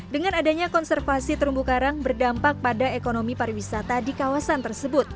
dengan adanya konservasi terumbu karang berdampak pada ekonomi pariwisata di kawasan tersebut